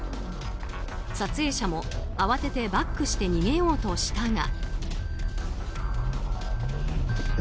撮影者も慌ててバックして逃げようとしたが。